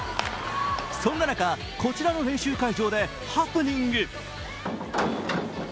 そんな中、こちらの練習会場でハプニング。